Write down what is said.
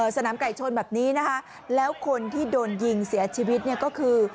สนามไก่ชนแบบนี้นะคะแล้วคนที่โดนยิงเสียชีวิตเนี่ยก็คือ